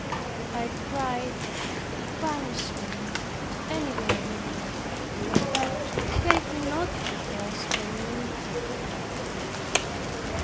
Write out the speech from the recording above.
I cried punish me any way, but take not the cross from me.